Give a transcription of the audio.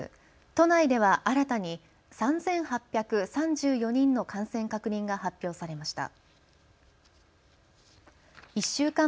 都内では新たに３８３４人の感染確認が発表されました。